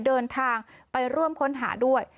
เดินทางไปร่วมค้นหาด้วย